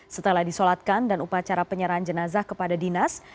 setelah disolatkan dan upacara penyerahan jenazah kepada dinas